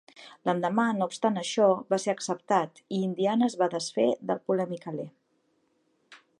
L'endemà, no obstant això, va ser acceptat, i Indiana es va desfer del polèmic aler.